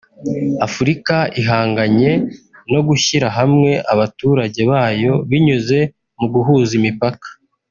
Afurika ihanganye no gushyira hamwe abaturage bayo binyuze mu guhuza imipaka